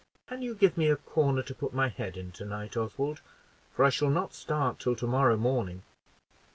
"Can you give me a corner to put my head in to night, Oswald? for I shall not start till to morrow morning."